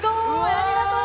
ありがとう！